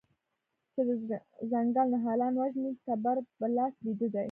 چې د ځنګل نهالان وژني تبر په لاس بیده دی